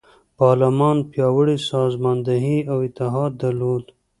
پارلمان پیاوړې سازماندهي او اتحاد درلود.